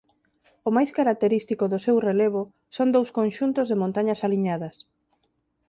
O máis característico do seu relevo son dous conxuntos de montañas aliñadas.